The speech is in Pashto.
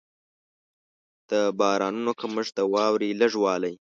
د بارانونو کمښت، د واورې لږ والی.